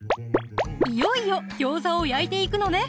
いよいよギョーザを焼いていくのね